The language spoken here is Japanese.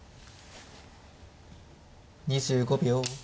２５秒。